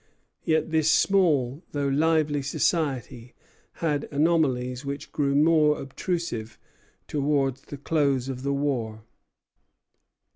Yet this small though lively society had anomalies which grew more obtrusive towards the close of the war.